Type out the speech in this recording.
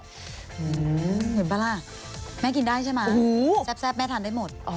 เห็นป่ะล่ะแม่กินได้ใช่ไหมแซ่บแม่ทานได้หมด